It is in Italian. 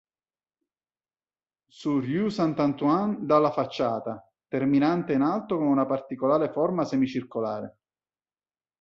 Su Rue Saint-Antoine dà la facciata, terminante in alto con una particolare forma semicircolare.